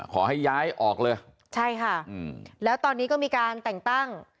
ขอให้ย้ายออกเลยใช่ค่ะอืมแล้วตอนนี้ก็มีการแต่งตั้ง